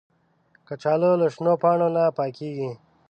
کچالو له شنو پاڼو نه پیدا کېږي